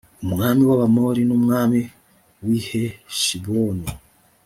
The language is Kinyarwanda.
umwami w abamori numwami w i heshiboni